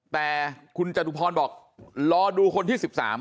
แต่คุณจตุพรบอกรอดูคนที่๑๓